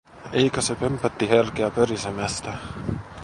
Eikö se pömpötti herkeä pörisemästä?